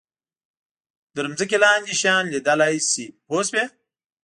تر ځمکې لاندې شیان لیدلای شي پوه شوې!.